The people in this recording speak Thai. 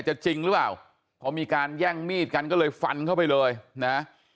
จริงหรือเปล่าพอมีการแย่งมีดกันก็เลยฟันเข้าไปเลยนะ